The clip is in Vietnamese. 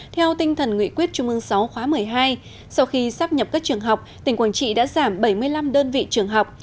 theo tinh thần nghị quyết trung ương sáu khóa một mươi hai sau khi sắp nhập các trường học tỉnh quảng trị đã giảm bảy mươi năm đơn vị trường học